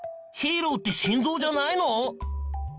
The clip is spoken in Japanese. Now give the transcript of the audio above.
ヒーローってしんぞうじゃないの？